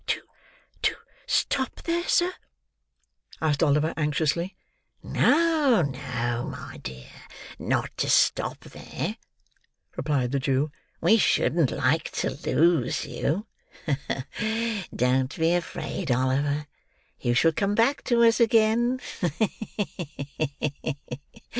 "To—to—stop there, sir?" asked Oliver, anxiously. "No, no, my dear. Not to stop there," replied the Jew. "We shouldn't like to lose you. Don't be afraid, Oliver, you shall come back to us again.